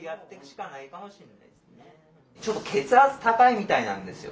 ちょっと血圧高いみたいなんですよ